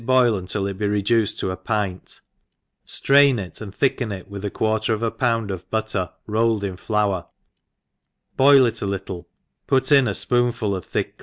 boil until it , be reduced to a pint, ftrain it, and thicken it with a quarter of a poUnd of butter roUed in iiour, boil it a little^ put in a fpoonful of iSback